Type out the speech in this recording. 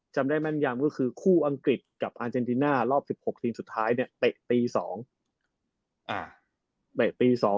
จำได้แม่นยำก็คือคู่อังกฤษกับอาร์เจนติน่ารอบ๑๖ทีมสุดท้ายเนี่ยเตะตี๒เตะปี๒